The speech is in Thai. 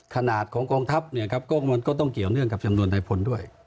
ขนาดของกองทัพเนี่ยครับก็มันก็ต้องเกี่ยวเนื่องกับจำนวนนายพลด้วย